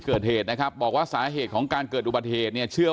เกิดเหตุนะครับบอกว่าสาเหตุของการเกิดอุบัติเหตุเนี่ยเชื่อ